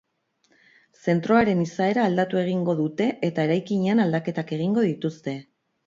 Zentroaren izaera aldatu egingo dute, eta eraikinean aldaketak egingo dituzte.